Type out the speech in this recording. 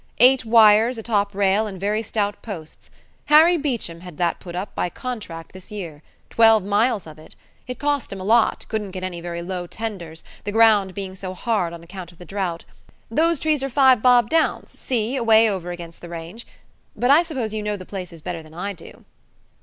Eight wires, a top rail, and very stout posts. Harry Beecham had that put up by contract this year. Twelve miles of it. It cost him a lot: couldn't get any very low tenders, the ground being so hard on account of the drought. Those trees are Five Bob Downs see, away over against the range. But I suppose you know the places better than I do."